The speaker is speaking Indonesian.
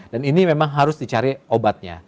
dan ini memang harus dicari obatnya